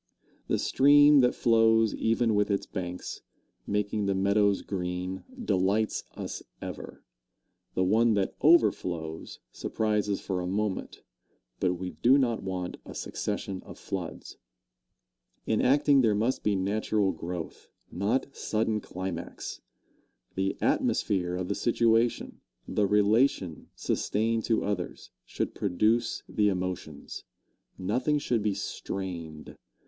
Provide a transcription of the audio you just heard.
The stream that flows even with its banks, making the meadows green, delights us ever; the one that overflows surprises for a moment. But we do not want a succession of floods. In acting there must be natural growth, not sudden climax. The atmosphere of the situation, the relation sustained to others, should produce the emotions. Nothing should be strained.